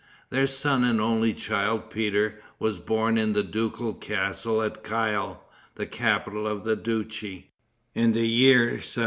Their son and only child, Peter, was born in the ducal castle at Kiel, the capital of the duchy, in the year 1728.